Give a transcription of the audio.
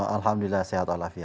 alhamdulillah sehat alhafiya